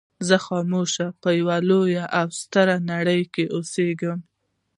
زه د خاموشۍ په يوه لويه او سړه نړۍ کې اوسېږم.